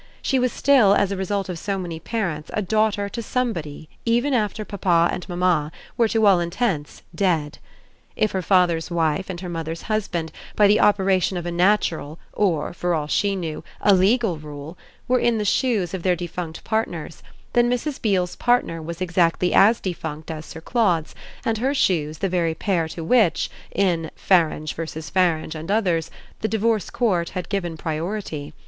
She was still, as a result of so many parents, a daughter to somebody even after papa and mamma were to all intents dead. If her father's wife and her mother's husband, by the operation of a natural or, for all she knew, a legal rule, were in the shoes of their defunct partners, then Mrs. Beale's partner was exactly as defunct as Sir Claude's and her shoes the very pair to which, in "Farange v. Farange and Others," the divorce court had given priority.